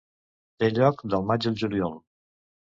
Té lloc del maig al juliol.